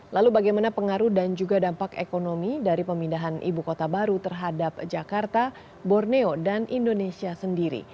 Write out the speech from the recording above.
lalu bagaimana pengaruh dan juga dampak ekonomi dari pemindahan ibu kota baru terhadap jakarta borneo dan indonesia sendiri